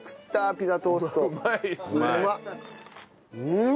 うん！